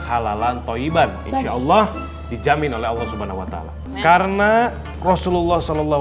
halalan toiban insyaallah dijamin oleh allah subhanahuwata'ala karena rasulullah shallallahu